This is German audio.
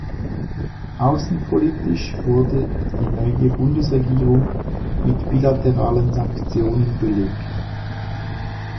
Außenpolitisch wurde die neue Bundesregierung mit bilateralen Sanktionen belegt.